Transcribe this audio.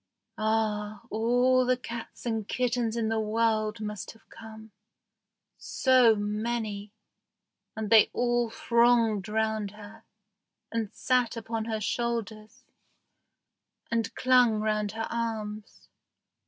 Ah! all the cats and kittens in the world must have come. So many! And they all thronged round her, and sat upon her shoulders, and clung round her arms.